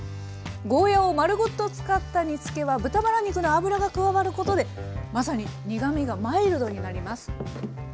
ゴーヤーを丸ごと使った煮つけは豚バラ肉の脂が加わることでまさに苦みがマイルドになります。